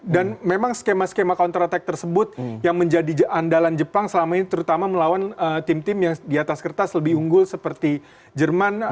dan memang skema skema counter attack tersebut yang menjadi andalan jepang selama ini terutama melawan tim tim yang di atas kertas lebih unggul seperti jerman